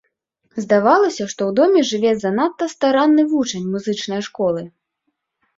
Здавалася, што ў доме жыве занадта старанны вучань музычнае школы.